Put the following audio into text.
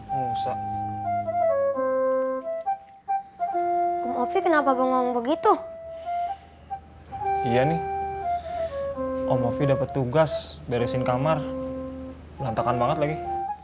musa om ovi kenapa bengong begitu iya nih om ovi dapet tugas beresin kamar berantakan banget lagi